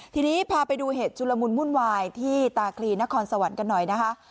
ทีนี้พาไปดูเหตุชุลมุนวุ่นวายที่ตาคลีนครสวรรค์กันหน่อยนะคะ